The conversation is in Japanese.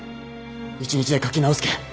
１日で描き直すけん。